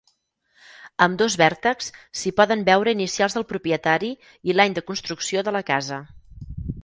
Ambdós vèrtexs s'hi poden veure inicials del propietari i l'any de construcció de la casa.